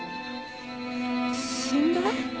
死んだ？